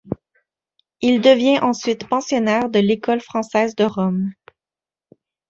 Il devient ensuite pensionnaire de l’École française de Rome.